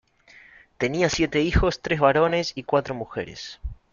Tenía siete hijos, tres varones y cuatro mujeres.